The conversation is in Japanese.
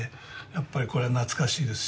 やっぱりこれは懐かしいです。